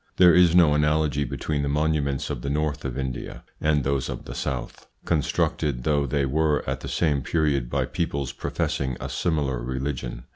There is no analogy between the monuments of the north of India and those of the south, constructed though they were at the same period by peoples professing a similar religion.